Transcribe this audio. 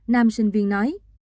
nam sinh viên nói